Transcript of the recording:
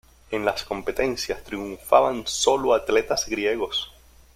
En las competencias triunfaban sólo atletas griegos.